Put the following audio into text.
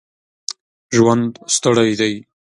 ژوند ستړی دی.